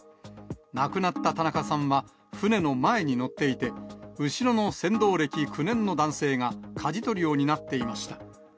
亡くなった田中さんは、船の前に乗っていて、後ろの船頭歴９年の男性が、かじ取りを担っていました。